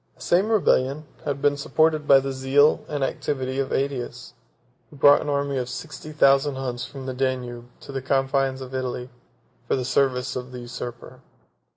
The same rebellion had been supported by the zeal and activity of Ætius, who brought an army of sixty thousand Huns from the Danube to the confines of Italy, for the service of the usurper.